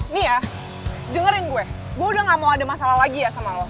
nih ya dengerin gue gue udah gak mau ada masalah lagi ya sama lo